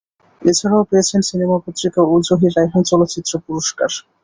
এছাড়া পেয়েছেন সিনেমা পত্রিকা ও জহির রায়হান চলচ্চিত্র পুরস্কার।